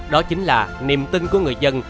đó chính là niềm tin của người dân